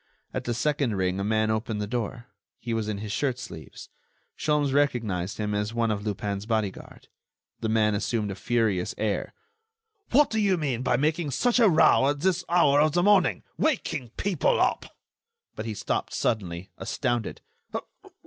At the second ring a man opened the door; he was in his shirt sleeves. Sholmes recognized him as one of Lupin's bodyguard. The man assumed a furious air: "What do you mean by making such a row at this hour of the morning ... waking people up...." But he stopped suddenly, astounded.